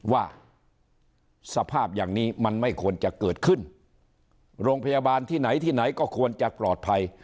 ว่าสภาพอย่างนี้มันไม่ควรจะเกิดขึ้นโรงพยาบาลที่ไหนที่ไหนก็ควรจะปลอดภัย